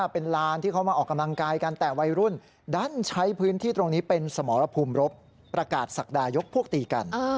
เป็นลานที่เขามาออกกำลังกายกันแต่วัยรุ่นดันใช้พื้นที่ตรงนี้เป็นสมรภูมิรบประกาศศักดายกพวกตีกัน